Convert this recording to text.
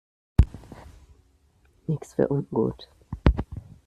Nichts für ungut!